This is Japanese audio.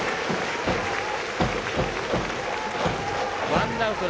ワンアウト。